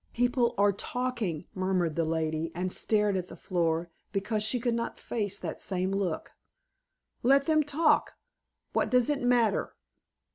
"People are talking," murmured the lady, and stared at the floor, because she could not face that same look. "Let them talk. What does it matter?"